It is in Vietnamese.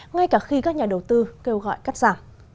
ngay cả khi các nhà đầu tư kêu gọi cắt giảm